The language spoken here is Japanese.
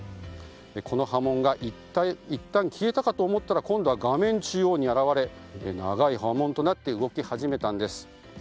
この波紋がいったん消えたかと思ったら今度は画面中央に現れ長い波紋となって動き始めたんです。